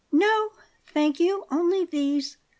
"No, thank you; only these.